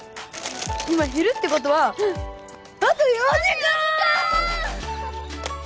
今昼ってことはうんあと４時間！